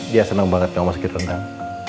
dia senang banget mau masakin rendang